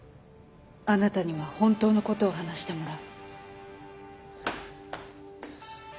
あなたには本当のことを話してもらう。